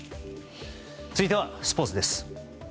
続いては、スポーツです。